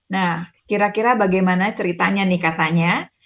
nah kira kira bagaimana ceritanya nih katanya